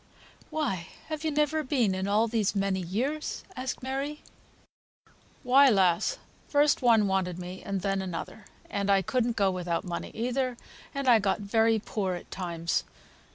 "Why have you never been in all these many years?" asked Mary. "Why, lass! first one wanted me and then another; and I couldn't go without money either, and I got very poor at times.